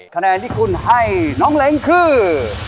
คะแนนที่คุณให้น้องเล้งคือ